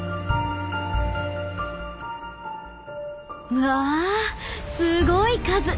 うわすごい数！